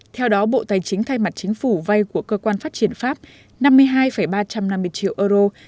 theo đó bộ tài chính thay mặt chính phủ vay của cơ quan phát triển pháp năm mươi hai ba trăm năm mươi triệu euro